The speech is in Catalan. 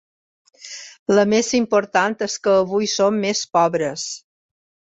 La més important és que avui som més pobres.